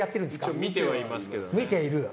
一応見てはいますけど。